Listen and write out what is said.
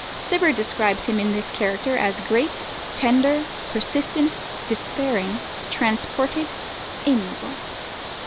Cibber describes him in this character as "great, tender, persistent, despairing, transported, amiable."